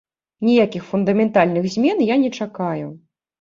Ніякіх фундаментальных змен я не чакаю.